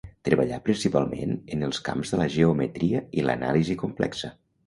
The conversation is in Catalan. Treballà principalment en els camps de la geometria i l'anàlisi complexa.